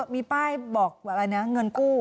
มีป้ายบอกเงินกู้